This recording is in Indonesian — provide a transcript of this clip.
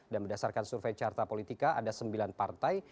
dan berdasarkan survei carta politika ada sembilan partai